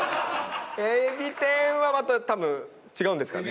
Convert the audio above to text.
エビ天はまた多分違うんですかね？